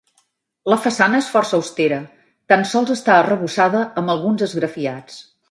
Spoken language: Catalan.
La façana és força austera, tan sols està arrebossada amb alguns esgrafiats.